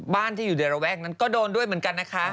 ที่อยู่ในระแวกนั้นก็โดนด้วยเหมือนกันนะคะ